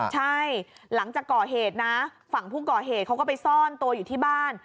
ใช่หลังจากก่อเหตุนะฝั่งผู้ก่อเหตุเขาก็ไปซ่อนตัวอยู่ที่บ้าน